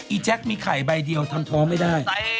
แจ๊คมีไข่ใบเดียวทำท้องไม่ได้